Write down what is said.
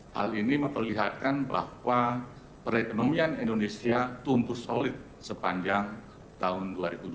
hal ini memperlihatkan bahwa perekonomian indonesia tumbuh solid sepanjang tahun dua ribu dua puluh